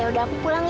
ya udah aku pulang ya